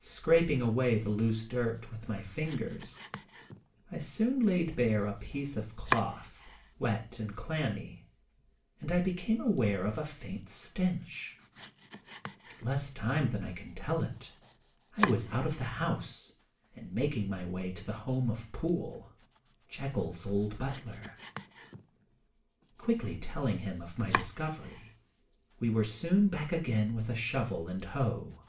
Scraping away the loose dirt with my fingers I soon laid bare a piece of cloth, wet and clammy, and I became aware of a faint stench. In less time than I can tell it I was out of the house, and making my way to the home of Poole, Dr. Jekyll and Mr. Hyde. 27 Jekyll's old butler. Quickly telling him of my discovery, we were soon back again with a shovel and hoe.